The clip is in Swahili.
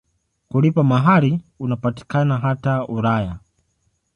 Kulipa mahari unapatikana hata Ulaya.